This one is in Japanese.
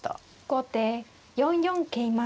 後手４四桂馬。